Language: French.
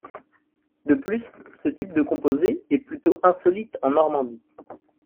De plus, ce type de composé est plutôt insolite en Normandie.